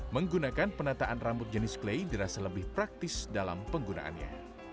menggunakan penataan rambut jenis play dirasa lebih praktis dalam penggunaannya